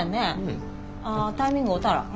ああタイミング合うたら。